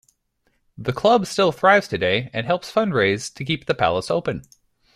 The Club still thrives today and helps fundraise to keep the Palace open.